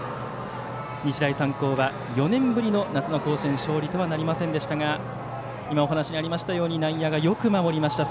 日大三高は４年ぶりの夏の甲子園勝利とはなりませんでしたがお話にありましたように内野がよく守りました。